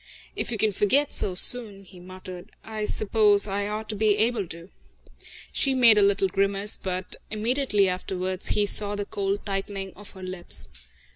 "If you can forget so soon," he muttered, "I suppose I ought to be able to." She made a little grimace, but immediately afterwards he saw the cold tightening of her lips.